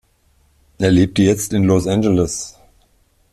Er lebte jetzt in Los Angeles.